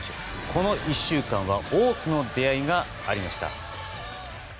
この１週間は多くの出会いがありました。